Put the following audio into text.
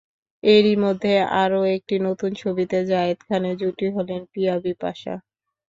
এরই মধ্যে আরও একটি নতুন ছবিতে জায়েদ খানের জুটি হলেন পিয়া বিপাশা।